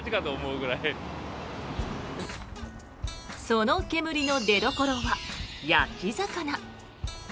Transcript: その煙の出どころは焼き魚。